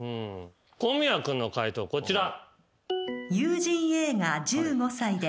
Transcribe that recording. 小宮君の解答こちら。